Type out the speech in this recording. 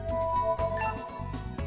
ghiền mì gõ để không bỏ lỡ những video hấp dẫn